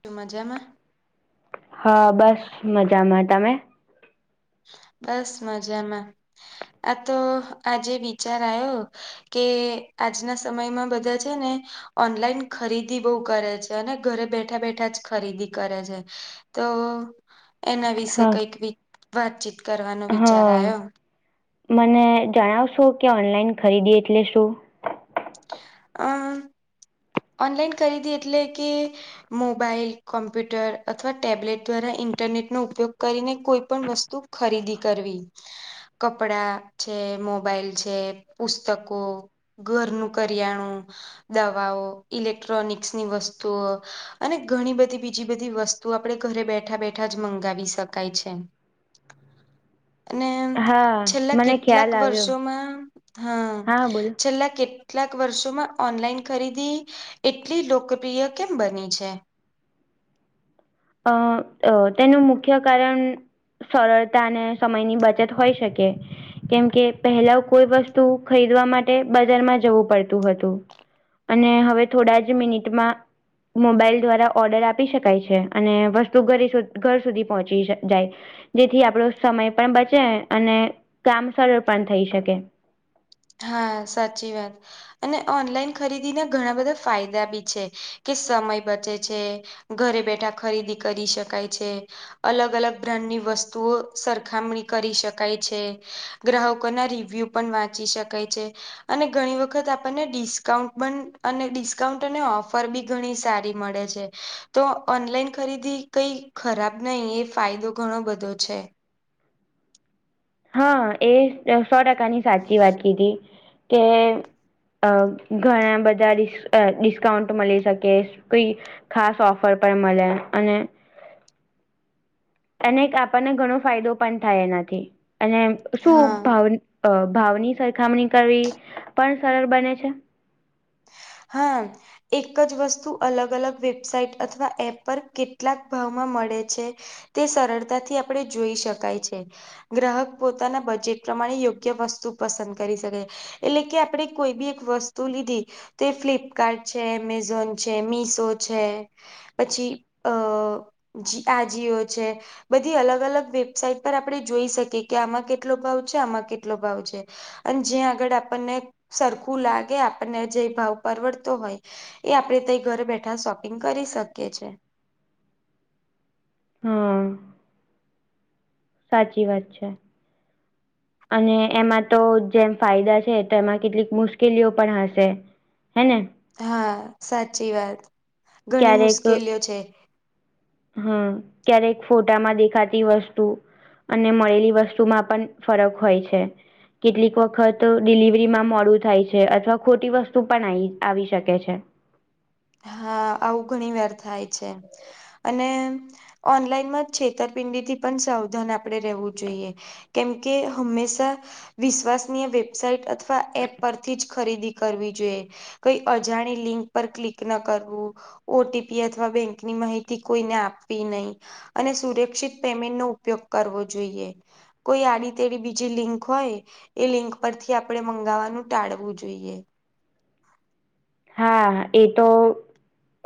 શું મજા માં? હા બસ મજામાં, તમે? બસ મજામાં આ તો આજે વિચાર આવ્યો કે આજના સમયમાં બધા છે ને ઓનલાઈન ખરીદી બહુ કરે છે અને ઘરે બેઠા-બેઠા જ ખરીદી કરે છે. તો એના વિશે હા કઈક વાતચીત કરવાનો વિચાર હા આવ્યો. મને જણાવશો કે ઓનલાઈન ખરીદી એટલે શું? અ ઓનલાઈન ખરીદી એટલે કે મોબાઈલ કોમ્પ્યુટર અથવા ટેબ્લેટ દ્વારા ઇન્ટરનેટ નો ઉપયોગ કરીને કોઈ પણ વસ્તુ ખરીદી કરવી. કપડા છે, મોબાઈલ છે, પુસ્તકો, ઘરનું કરી કરિયાણું દવાઓ ઇલેક્ટ્રોનિક્સની વસ્તુઓ અને ઘણી બધી બીજી બધી વસ્તુ તું આપે ઘરે બેઠા બેઠા જ મંગાવી શકાય છે. અને હા છેલ્લા મને કેટલાક ખ્યાલ આવ્યો વર્ષોમાં હા છેલ્લા કેટ કેટલાક વર્ષોમાં ઓનલાઈન ખરીદી એટલી લોકપ્રિય કેમ બની છે? અ તેનું મુખ્ય કારણ સરળતા અને સમયની બચત હોઈ શકે. કેમકે પહેલા કોઈ વસ્તુ ખરીદવા માટે બજારમાં જવું પડતું હતું અને હવે થોડા જ મિનિટમાં મોબાઈલ દ્વારા ઓર્ડર આપી શકાય છે. અને વસ્તુ ઘ ઘર સુધી પહોંચી જાય. જેથી આપણો સમય પણ બચે અને કામ સરળ પણ થઈ શકે. હા સાચી વાત અને ઓનલાઈન ખરીદીના ઘણા બધા ફાયદા બી છે કે સમય બચે છે ઘરે બેઠા ખરીદી કરી શકાય છે. અલગ અલગ બ્રાન્ડ ની વસ્તુઓ સરખામણી કરી શકાય છે ગ્રાહકો ના રિવ્યુ પણ વાંચી શકાય છે અને ઘણી વખત આપણને ડિસ્કાઉન્ટ પણ અને ડિસ્કાઉન્ટ અને ઓફર બી ઘણી સારી મળે છે તો ઓનલાઈન ખરીદી કઈ ખરાબ નહી એ ફાયદો ઘણો બધો છે હા એ સો ટકાની સાચી વાત કીધી કે અ ઘણા બધાિ ડિસ્કાઉન્ટ મળી શકે કોઈ ખાસ ઓફર પણ મળે અને અને આપણને ઘણો ફાયદો પણ થાય એનાથી અને શું હા ભાવ ભાવની સરખામણી કરવી પણ સરળ બને છે હા એક જ વસ્તુ અલગ અલગ વેબસાઇટ અથવા એપ પર કેટલાક ભાવમાં મળે છે તે સરળતાથી આપણે જોઈ શકાય છે ગ્રાહક પોતાના બજેટ પ્રમાણે યોગ્ય વસ્તુ પસંદ કરી શકે એટલે કે આપણે કોઈ બી એક વસ્તુ લીધી તે ફ્લિપકાર્ટ છે એમેઝોન છે મીસો છે પછી અ જ આજીીઓ છે બધી અલગ અલગ વેબસાાઈટ પર આપણે જોઈ શકીએ કે આમાં કેટલો ભાવ છે આમાં કેટલો ભાવ છે અને જ્યાં આગળ આપણને સરખું લાગે આપણને જે ભાવ પરવડતો હોય એ આપડે ત ઘરે બેઠા શોપિંગ કરી શકીએ છ છે હા સાચી વાત છે [inaudible] અને એમાં તો જેમ ફાયદા છે તો એમાં કેટલીક મુશ્કેલીઓ પણ હશે હને હા સાચી વાત ઘણી મુશ્કેલીઓ છે હમ ક્યારેક ફોટામાં દેખાતી વસ્તુ અને મળેલી વસ્તુમાં પણ ફરક હોય છે કેટલીક વખત ડિલિવરીમાં મોડું થાય છે અથવા ખોટી વસ્તુ પણ આવી આવી શકે છે હા આવું ઘણી વાર થાય છે અને ઓનલાઈનમાં છેતરપિંડીથી પણ સાવધાન આપણે રહેેવું જોઈએ કેમ કે હંમેશા વિશ્વાસનીય વેબસાઇટ અથવા એપ પરથી જ ખરીદી કરવી જોઈએ કઈ અજાણી લિંક પર ક્લિક કરવું ઓટીપી અથવા બેંકની માહિતી કોઈને આપવી નહી અને સુરક્ષિત પેમેન્ટ નો ઉપયોગ કરવો જોઈએ કોઈ આડીતેડી બીજી લિંક હોય એ લિંક પરથી આપણે મંગાવવાનું ટાળવું જોઈએ હા એ તો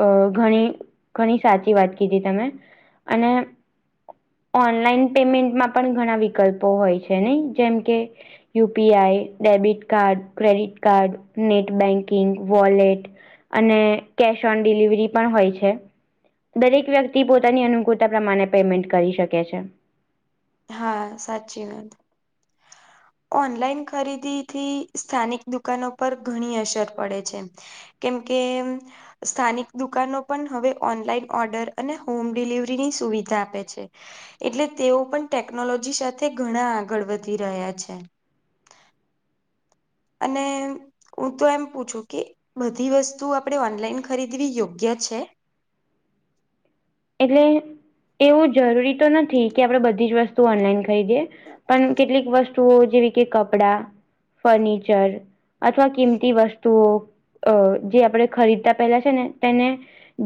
અ ઘણી ઘણી સાચી વાત કીધી તમે અને ઓનલાઈન પેમેન્ટમાં પણ ઘણા વિકલ્પો હોય છે ને જેમ કે you PI debit card credit card net banking wallet અને કેશ ઓન ડિલિવરી પણ હોય છે દરેક વ્યક્તિ પોતાની અનુકૂળતા પ્રમાણે પેમેન્ટ કરી શકે છે હા સાચી વાત ઓનલાઈન ખરીદી થી સ્થાનિક દુકાનો પર ઘણી અસર પડે છે કેમ કે સ્થાનિક દુકાનો પણ હવે ઓનલાઈન ઓર્ડર અને હોમ ડિલિવરીની સુવિધા આપે છે એટલે તેઓ પણ ટેકનોલોજી સાથે ઘણા આગળ વધી રહ્યા છે અને હું તો એમ પૂછું કે બધી વસ્તુ આપણે ઓનલાઈન ખરીદવી યોગ્ય છે એટલે એવું જરૂરી તો નથી કે આપણેે બધી જ વસ્તુ ઓનલાઈન ખરીદે પણ કેટલીક વસ્તુઓ જેવી કે કપડા ફર્નિચર અથવા કિંમતી વસ્તુઓ અ જે આપણે ખરીદતા પહેલા છે ને તેને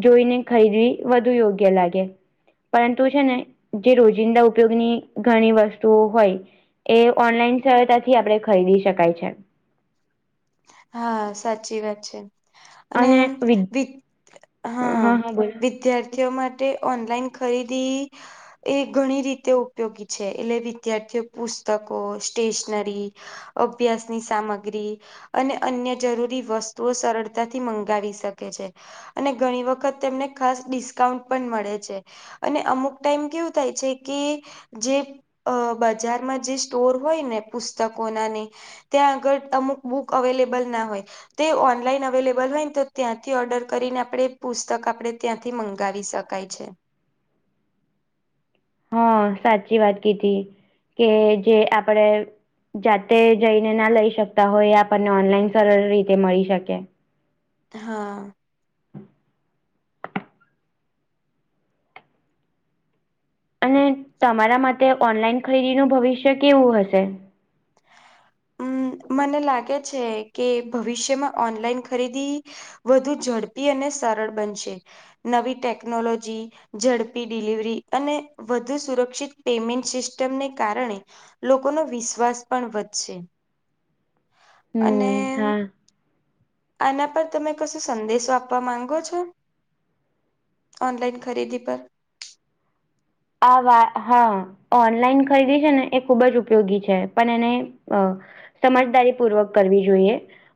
જોઈને ખરીદવી વધુ યોગ્ય લાગે પરંતુ છે ને જે રોજિંદા ઉપયોગની ઘણી વસ્તુઓ હોય એ ઓનલાઈન સરયતાથી આપણે ખરીદી શકાય છે હા સાચી વાત છે અને વિ હા વિદ્યાર માટે ઓનલાઈન ખરીદી એ ઘણી રીતે ઉપયોગી છે એટલે વિદ્યાર્થીઓ પુસ્તકો સ્ટેશનરી અભ્યાસની સામગ્રી અને અન્ય જરૂરી વસ્તુઓ સરળતાથી મંગાવી શકે છે અને ઘણી વખત તેમને ખાસ ડિસ્કાઉન્ટ પણ મળે છે અને અમુક ટાઈમ કેવું થાય છે કે જે બજારમાં જે સ્ટોર હોય ને પુસ્તકો નાની ત્યાં આગળ અમુક બુક અવેલેબલ ના હોય તે ઓનલાઈન અવેલેબલ હોય ને તો ત્યાંથી ઓર્ડર કરીને આપણે પુસ્તક આપણે ત્યાંથી મંગાવી શકીએ કાય છે હા સાચી વાત કીધી કે જે આપડે જાતે જઈને ના લઈ શકતા હોય એ આપણને ઓનલાઈન સરળ રીતે મળી શકે હા અને તમારા માટે ઓનલાઈન ખરીદીનું ભવિષ્ય કેવું હશે મને લાગે છે કે ભવિષ્યમાં ઓનલાઈન ખરીદી વધુ ઝડપી અને સરળ બનશે નવી ટેકનોલોજી ઝડપી ડિલિવરી અને વધુ સુરક્ષિત પેમેન્ટ સિસ્ટમને કારણે લોકો ન વિશ્વાસ પણ વધશે અને હમ હા આના પર તમે કશો સંદેશો આપવા માંગો છો ઓનલાઈન ખરીદી પર આવા હા ઓનલાઈન ખરીદી છે ને એ ખૂબ જ ઉપયોગી છે પણ એને અ સમજદારી પૂર્વક કરવી જોઈએ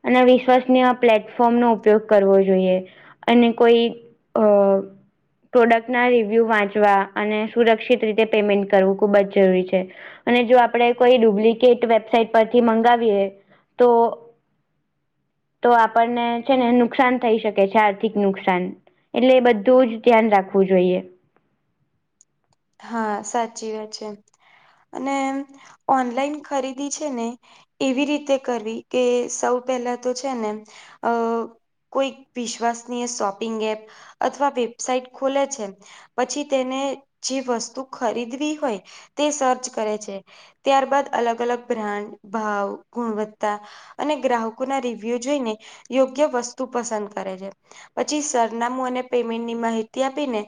અને વિશ્વાસને આ પ્લેટફોર્મ નો ઉપયોગ કરવો જોઈએ અને કોઈ અ પ્રોડક્ટના રિવ્યૂ વાંચવા અને સુરક્ષિત રીતે પેમેન્ટ કરવું ખૂબ જ જરૂરી છે અને જો આપણે કોઈ ડુપ્લિકેટ વેબસાઇટ પરથી મંગાવીએ તો તો આપણને છે ને નુકસાન થઈ શકે છે આર્થિક નુકસાન એટલે બધું જ ધ્યાન રાખવું જોઈએ હા સાચી વાત છે એ અને ઓનલાઈન ખરીદી છે ને એવી રીતે કરવી કે સૌ પહેલા તો છે ને અ કોઈ વિશ્્વાસનીય શોપિંગ એપ અથવા વેબસાઈટ ખોલે છે પછી તેને જે વસ્તુ ખરીદવી હોય તે સર્ચ કરે છે ત્યારબાદ અલગ અલગ બ્રાન્ડ ભાવ ગુણવત્તા અને ગ્રાહકો ના રિવ્યુ જોઈને યોગ્ય વસ્તુ પસંદ કરે છે પછી સરનામું અને પેમેન્ટની માહિતી આપીને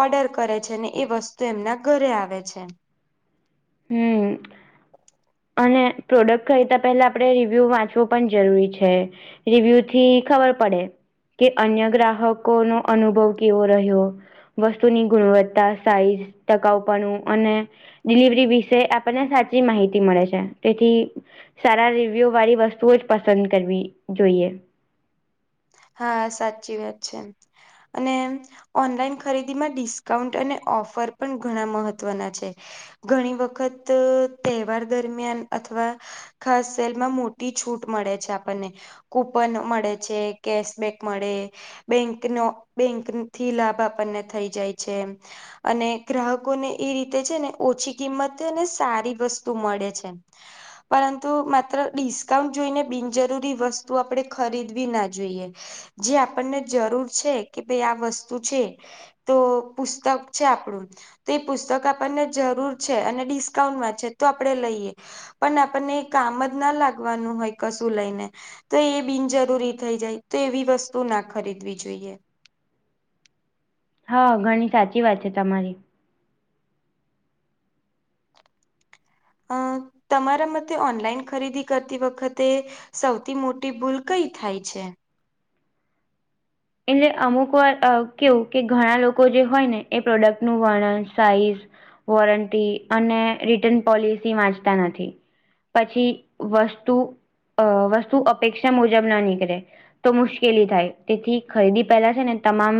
ઓર્ડર કરે છે ને એ વસ્તુ એમના ઘરે આવે છે હમ અને પ્રોડક્ટ ખરીતા પહેલા આપડણે રિવ્યુ વાંચવો પણ જરૂરી છે રિવ્યુ થી ખબર પડે કે અન્ય ગ્રાહકો નો અનુભવ કેવો રહ્યો વસ્તુની ગુણવત્તા સાઈઝ ટકાઉપણું અને ડિલિવરી ઇ વિશે આપણને સાચી માહિતી મળે છે તેથી સારા રિવ્યૂ વાળી વસ્તુઓ જ પસંદ કરવી જોઈએ. હા સાચી વાત છે અને ઓનલાઈન ખરીદી માં ડિસ્કાઉન્ટ અને ઓફર પણ ઘણા મહત્વના છે. ઘણી વખત તહેવાર દરમિયાન અથવા ખાસ સેલમાં મોટી છૂટ મળે છે. આપણને કૂપન મળે છે. કેશબેક મળે બેંકનો બેંક થી લાભ આપણને થઈ જાય છે. અને ગ્રાહકોને એ રીતે છે ને ઓછી કિંમતે ને સારી વસ્તુ મળે છે. પરંતુ માત્ર ડિસ્કાઉન્ટ જોઈને બિનજરૂરી વસ્તુ આપણેે ખરીદવી ના. જોઈએ જે આપણને જરૂર છે કે ભાઈ આ વસ્તુ છે. તો પુસ્તક છે આપણું તે એ પુસ્તક આપણને જરૂર છે અને ડિસ્કાઉન્ટમાં છે તો આપણેે લઈએ. પણ આપણને કામ જ ના લાગવાનું હોય કશું લઈને તો એ બિનજરૂરી થઈ જાય તે એવી વસ્તુ ના ખરીદવી જોઈએ. હા ઘણી સાચી વાત છે તમારી. અ તમારા મતે ઓનલાઈન ખરીદી કરતી વખતે સૌથી મોટી ભૂલ કઈ થાય છે. એને અમુક વાર અ કેવું કે ઘણા લોકો જે હોય ને એ પ્રોડક્ટ નું વર્ણન સાઈઝ વોરંટી અને રિટર્ન પોલિસી વાંચતા નથી. પછી વસ્તુ અ વસ્તુ અપેક્ષા મુજબ ના નીકળે તો મુશ્કેલી થાય તેથી ખરીદી પેલા છે ને તમામ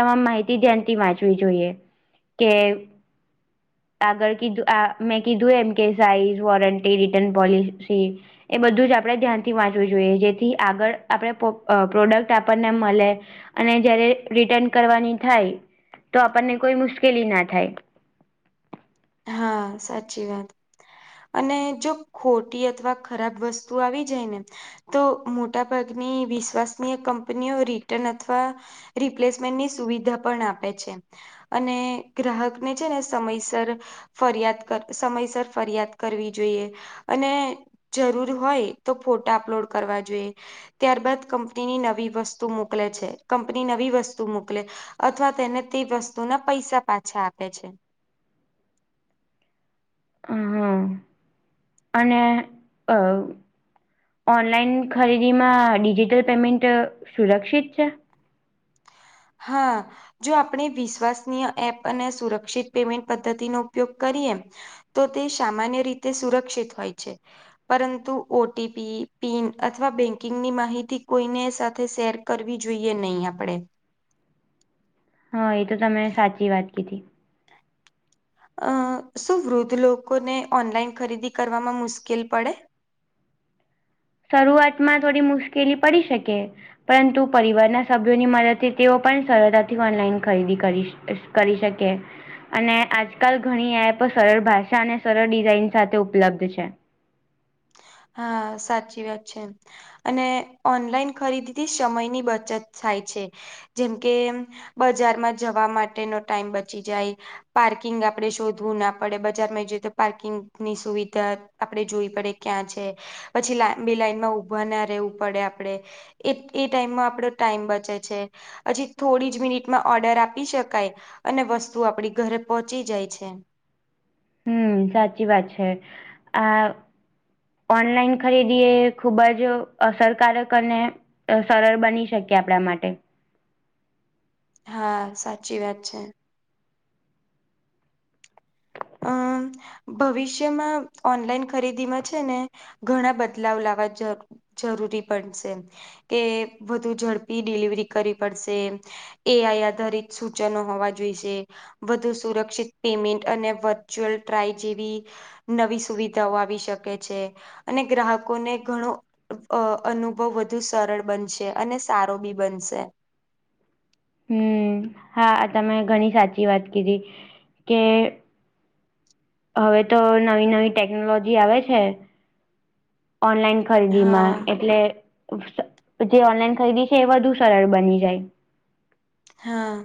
તમામ માહિતી ધ્યાનથી વાંચવી જોઈએ. કે આગળ કીધું આ મેં કીધું એમ કે સાઇઝ વોરંટી રિટર્ન પોલિસી એ બધું જ આપડણે ધ્યાનથી વાંચવું જોઈએ જેથી આગળ આપડણે પ્રો પ્રોડક્ટ આપણને મળ અને જયારે રિટર્ન કરવાની થાય તો આપણને કોઈ મુશ્કેલી ના થાય. હા સાચી વાત. અને જો ખોટી અથવા ખરાબ વસ્તુ આવી જાય ને તો મોટા ભાગની વિશ્વાસનીય કંપનીઓ રિટર્ન અથવા રિપ્લેસમેન્ટની સુવિધા પણ આપે છે. અને ગ્રાહકને છે ને સમયસર ફરિયાદ સમયસર ફરિયાદ કરવી જોઈએ. અને જરૂર હોય તો ફોટા અપલોડ કરવા જોઈએ. ત્યારબાદ કંપનીની નવી વસ્તુ મોકલે છે કંપની નવી વસ્તુ મોકલે. અથવા તેને તે વસ્તુ ના પૈસા પાછા આપે છે. હા અને અ. ઓનલાઈન ખરીદીમાં ડિજિટલ પેમેન્ટ સુરક્ષિત છે. હા. જો આપણે વિશ્વાસનીય એપ અને સુરક્ષિત પેમેન્ટ પદ્ધતિનો ઉપયોગ કરીએ. તો તે સામાન્ય રીતે સુરક્ષિત હોય છે. પરંતુ ઓટીપી પિન અથવા બેંકિંગની માહિતી કોઈને સાથે શેર કરવી જોઈએ નહી આપણેે. હા એ તો તમે સાચી વાત કીધી. અ શું વૃદ્ધ લોકોને ઓનલાઈન ખરીદી કરવામાં મુશ્કેલ પડે. શરૂઆતમાં થોડી મુશ્કેલી પડી શકે. પરંતુ પરિવારના સભ્યોની મદદથી તેઓ પણ સરળતાથી ઓનલાઈન ખરીદી કરીશ. કરી શકે. અને આજકાલ ઘણી એપ સરળ ભાષા અને સરળ ડિઝાઇન સાથે ઉપલબ્ધ છે. હા સાચી વાત છે. અને ઓનલાઈન ખરીદીથી સમયની બચત થાય છે. જેમ કે બજારમાં જવા માટેનો ટાઈમ બચી જાય પાર્કિંગ આપડણે શોધવું ના પડે બજારમાં જઈએ તો પાર્કિંગ ની સુવિધા આપડે જોવી પડે ક્યાં છે. પછી લાંબી લાઈન માં ઉભા ના રહેવું પડે આપડે એ એ ટાઈમમાં આપડો ટાઈમ બચે છે. હજી થોડી જ મિનિટમાં ઓર્ડર આપી શકાય અને વસ્તુ આપડી ઘરે પોહોંચી જાય છે. હમ સાચી વાત છે આ ઓનલાઈન ખરીદી એ ખૂબ જ અસરકારક અને સરળ બની શકી આપણા માટે હા સાચી વાત છે. હમ. ભવિષ્યમાં ઓનલાઈન ખરીદીમાં છે ને ઘણા બદલાવ લાવવા જ જરૂરી પડશે કે વધુ ઝડપી ડિલિવરી કરવી પડશે. એઆઈ આધારિત સૂચનો હોવા જોઈશે વધુ સુરક્ષિત પેમેન્ટ અને વર્ચ્યુઅલ ટ્રાય જેવી નવી સુવિધાઓ આવી શકે છે. અને ગ્રાહકોને ઘણો અ અનુભવ વધુ સરળ બનશે અને સારો બી બનશે. હમ હા તમે ઘણી સાચી વાત કીધી કે હવે તો નવી નવી ટેકનોલોજી આવે છે ઓનલાઈન ખરીદી હા માં એટલે જે ઓનલાઈન ખરીદી છે એ વધુ સરળ બની જાય. હા.